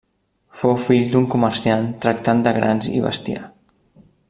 Fou fill d'un comerciant tractant de grans i bestiar.